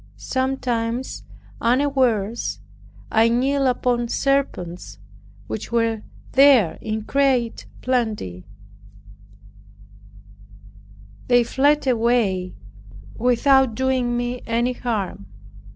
Sometimes, unawares, I kneeled upon serpents, which were there in great plenty; they fled away without doing me any harm.